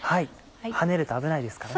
跳ねると危ないですからね。